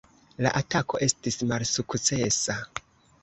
La atako estis malsukcesa.